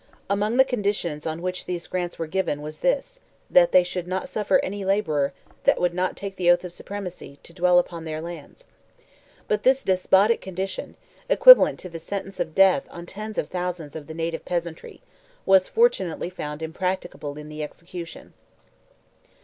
Among the conditions on which these grants were given was this—"that they should not suffer any labourer, that would not take the oath of supremacy," to dwell upon their lands. But this despotic condition—equivalent to sentence of death on tens of thousands of the native peasantry—was fortunately found impracticable in the execution.